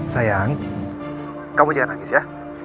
sayang kamu jangan nangis ya